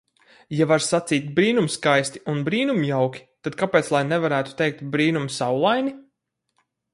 Ja var sacīt brīnumskaisti un brīnumjauki, tad kāpēc lai nevarētu teikt - brīnumsaulaini?